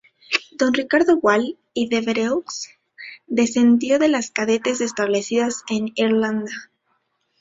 Don Ricardo Wall y Devereux descendió de las cadetes establecidas en Irlanda.